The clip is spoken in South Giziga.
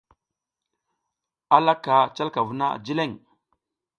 A laka calka vuna jileƞ.